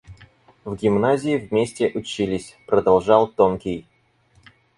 — В гимназии вместе учились! — продолжал тонкий.